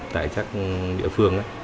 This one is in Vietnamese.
tại các địa phương